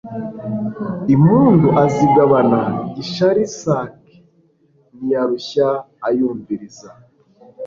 Impundu azigabana GishariIsake ntiyarushya ayumviriza